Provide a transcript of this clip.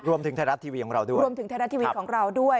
รวมถึงไทยรัฐทีวีของเราด้วย